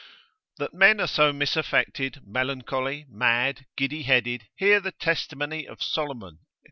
That men are so misaffected, melancholy, mad, giddy headed, hear the testimony of Solomon, Eccl.